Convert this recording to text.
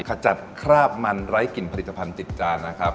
ขจัดคราบมันไร้กลิ่นผลิตภัณฑ์ติดจานนะครับ